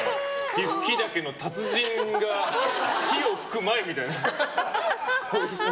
火吹き竹の達人が火を吹く前みたいな。